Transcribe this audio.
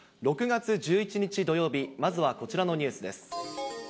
６月１１日土曜日、まずはこちらのニュースです。